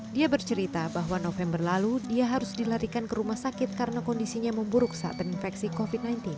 dia bercerita bahwa november lalu dia harus dilarikan ke rumah sakit karena kondisinya memburuk saat terinfeksi covid sembilan belas